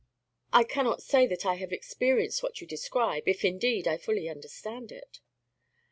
"I cannot say that I have experienced what you describe, if, indeed, I fully understand it."